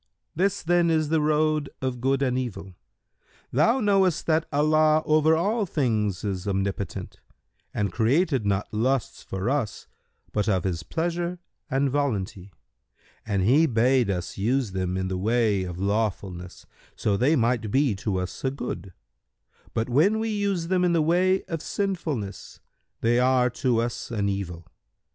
This then is the road of Good and Evil. Thou knowest that Allah over all things is Omnipotent and created not lusts for us but of His pleasure and volunty, and He bade us use them in the way of lawfulness, so they might be to us a good; but, when we use them in the way of sinfulness they are to us an evil.